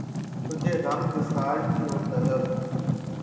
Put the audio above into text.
تجھے غم گسار کی ہو طلب